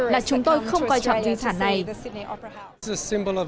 là chúng tôi không quan trọng di sản này